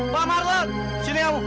pak marlok sini kamu